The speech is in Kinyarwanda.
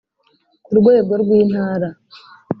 ku rwego rw’Intara